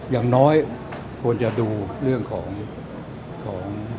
อย่างน้อยควรจะดูเรื่องของ